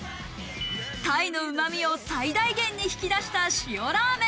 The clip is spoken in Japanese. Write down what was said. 鯛のうまみを最大限に引き出した塩ラーメン。